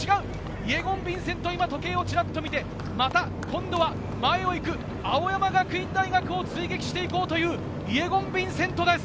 イェゴン・ヴィンセント、時計をちらっと見て、今度は前を行く青山学院大学を追撃して行こうというイェゴン・ヴィンセントです。